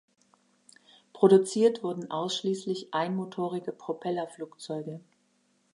Produziert wurden ausschließlich einmotorige Propellerflugzeuge.